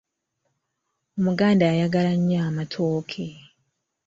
Omuganda ayagala nnyo amatooke.